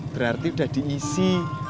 berarti udah diisi